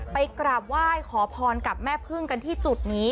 กราบไหว้ขอพรกับแม่พึ่งกันที่จุดนี้